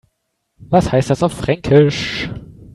Was heißt das auf Fränkisch?